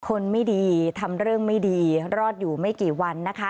คนไม่ดีทำเรื่องไม่ดีรอดอยู่ไม่กี่วันนะคะ